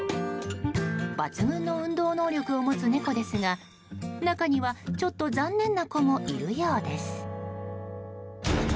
抜群の運動能力を持つ猫ですが中にはちょっと残念な子もいるようです。